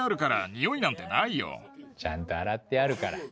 ちゃんと洗ってあるから。